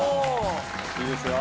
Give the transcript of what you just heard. いいですよ。